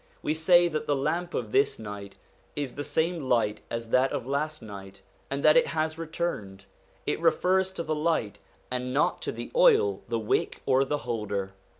We say that the lamp of this night is the same light as that of last night, and that it has returned. It refers to the light, and not to the oil, the wick, or the holder.